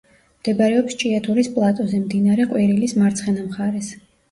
მდებარეობს ჭიათურის პლატოზე, მდინარე ყვირილის მარცხენა მხარეს.